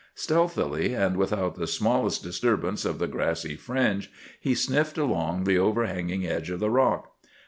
Stealthily, and without the smallest disturbance of the grassy fringe, he sniffed along the overhanging edge of the rock.